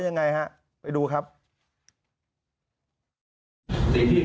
อเจมส์ถัดหน้าที่นับแจ้งอะไรตายเลขกี่ตัว